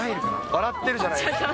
笑ってるじゃないですか。